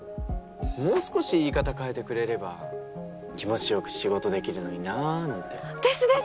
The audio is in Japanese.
もう少し言い方変えてくれれば気持ち良く仕事できるのになぁなんて。ですです！